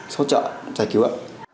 số trợ giải cứu